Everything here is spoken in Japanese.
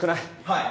はい。